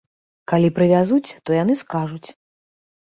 Калі прывязуць, то яны скажуць.